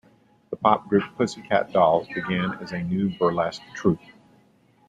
The pop group Pussycat Dolls began as a New Burlesque troupe.